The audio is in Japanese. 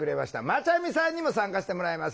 まちゃみさんにも参加してもらいます。